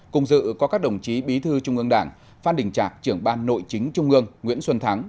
cùng dự có các đồng chí bí thư trung ương đảng phan đình trạc trưởng ban nội chính trung ương nguyễn xuân thắng